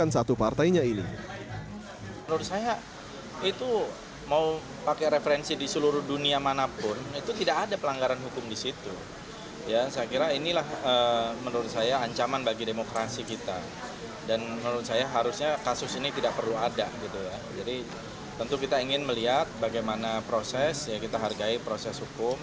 jadi tentu kita ingin melihat bagaimana proses ya kita hargai proses hukum